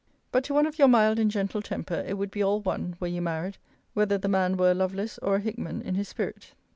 But to one of your mild and gentle temper, it would be all one, were you married, whether the man were a Lovelace or a Hickman in his spirit.